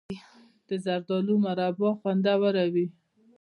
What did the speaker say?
د زردالو مربا خوندوره وي.